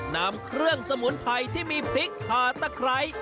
นำเครื่องสมุนไพรที่มีพริกขาตะไคร้